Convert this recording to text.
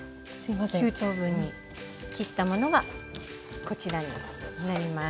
９等分に切ったものがこちらになります。